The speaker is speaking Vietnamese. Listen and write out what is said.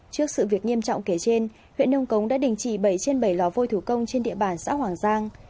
trước sự việc nghiêm trọng kể trên huyện nông cống đã đình chỉ bảy trên bảy lò vôi thủ công trên địa bàn xã hoàng giang